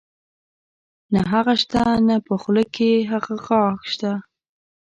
نۀ هغه شته نۀ پۀ خولۀ کښې هغه غاخ شته